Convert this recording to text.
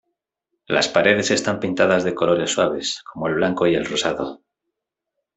Las paredes están pintadas de colores suaves, como el blanco y el rosado.